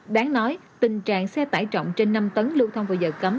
đáng nói tình trạng xe tải trọng trên năm tấn lưu thông vào giờ cấm